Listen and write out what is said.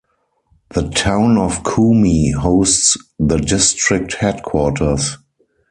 The town of Kumi hosts the district headquarters.